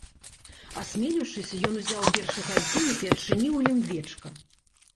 Асмеліўшыся, ён узяў першы гадзіннік і адчыніў у ім вечка.